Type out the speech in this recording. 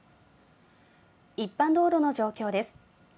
一般道路の状況です。